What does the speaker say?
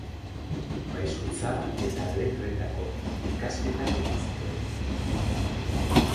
Maisutza eta letretako ikasketak egin zituen.